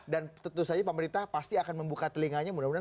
dan tentu saja pemerintah pasti akan membuka telinganya mudah mudahan